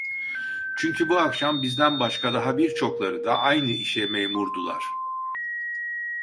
Çünkü bu akşam bizden başka daha birçokları da aynı işe memurdular.